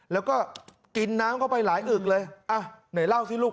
แล้วก็กินน้ำเข้าไปหลายอึกเลยอ่ะไหนเล่าสิลูก